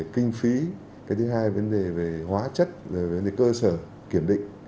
kinh phí cái thứ hai vấn đề về hóa chất rồi vấn đề cơ sở kiểm định